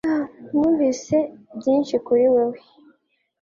Numvise byinshi kuri wewe